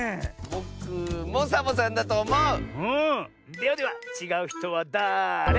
ではでは「ちがうひとはだれ？」